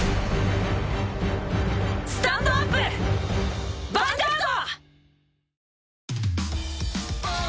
スタンドアップヴァンガード！